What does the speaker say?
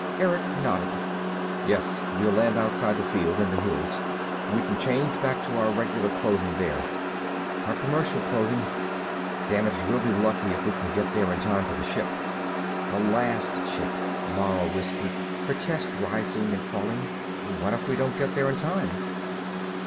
Erick nodded. "Yes. We'll land outside the field, in the hills. We can change back to our regular clothing there, our commercial clothing. Damn it we'll be lucky if we can get there in time for the ship." "The last ship," Mara whispered, her chest rising and falling. "What if we don't get there in time?"